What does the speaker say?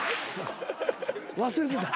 忘れてた。